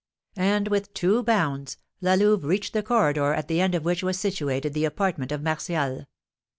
And, with two bounds, La Louve reached the corridor, at the end of which was situated the apartment of Martial.